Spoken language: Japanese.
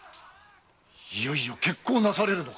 いよいよ決行なされるのか。